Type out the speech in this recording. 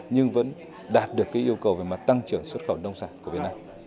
nhưng vẫn đạt được cái yêu cầu về mặt tăng trưởng xuất khẩu nông sản của việt nam